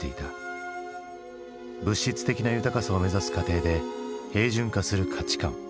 物質的な豊かさを目指す過程で平準化する価値観。